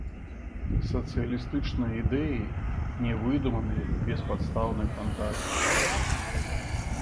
Сацыялістычныя ідэі не выдуманы беспадстаўнай фантазіяй.